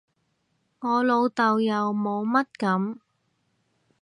我老豆又冇乜噉